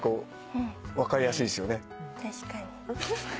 確かに。